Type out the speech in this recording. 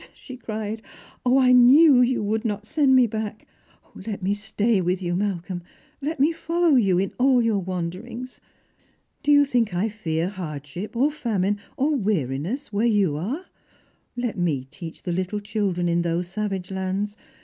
she cried. " 0, 1 knew that you would not send me back ! Let me stay with you, Malcolm ; let me follow you in all your wanderings. Do you think I fear hardship, or famine, or weariness, where you are ? Let me teach the little children in those savage lands.